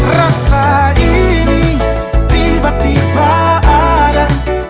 rasa ini tiba tiba ada